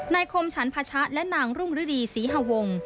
คมฉันภาชะและนางรุ่งฤดีศรีฮวง